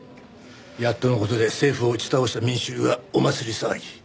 やっとの事で政府を打ち倒した民衆がお祭り騒ぎ。